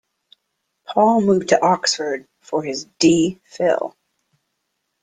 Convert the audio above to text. Paul moved to Oxford for his D Phil.